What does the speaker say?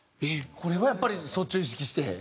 これはやっぱりそっちを意識して。